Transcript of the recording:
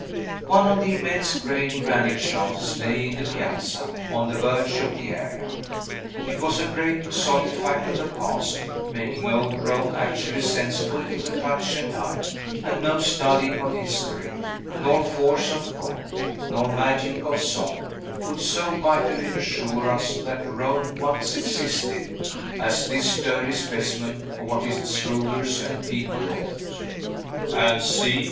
One of the immense gray granite shafts lay in the piazza, on the verge of the area. It was a great, solid fact of the Past, making old Rome actually sensible to the touch and eye; and no study of history, nor force of thought, nor magic of song, could so vitally assure us that Rome once existed, as this sturdy specimen of what its rulers and people wrought. "And see!"